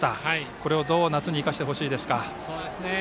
これをどう夏に生かしてほしいですか？